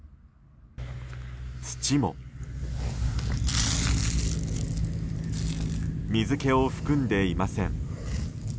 土も水気を含んでいません。